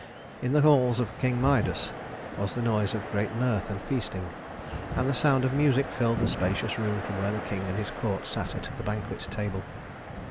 In the halls of King Midas was the noise of great mirth and feasting, and the sound of music filled the spacious room where the king and his court sat at the banquet table.